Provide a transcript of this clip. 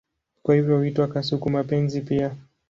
Kwa hivyo huitwa kasuku-mapenzi pia.